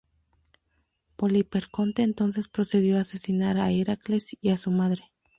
Poliperconte entonces procedió a asesinar a Heracles y a su madre.